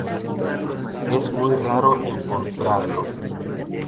Es muy raro encontrarlo.